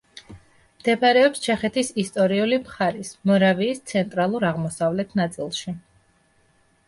მდებარეობს ჩეხეთის ისტორიული მხარის მორავიის ცენტრალურ-აღმოსავლეთ ნაწილში.